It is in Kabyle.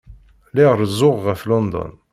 Lliɣ rezzuɣ ɣef London.